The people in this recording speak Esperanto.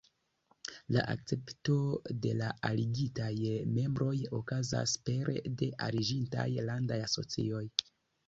La akcepto de la aligitaj membroj okazas pere de la aliĝintaj landaj asocioj.